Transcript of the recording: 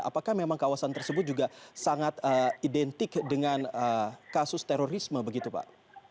apakah memang kawasan tersebut juga sangat identik dengan kasus terorisme begitu pak